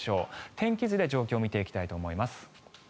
天気図で状況を見ていきたいと思います。